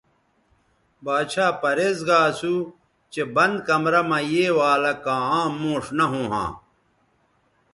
باڇھا پریز گا اسو چہء بند کمرہ مہ یے والہ کاں عام موݜ نہ ھوں ھاں